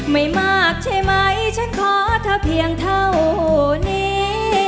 ไม่มากใช่ไหมฉันขอเธอเพียงเท่านี้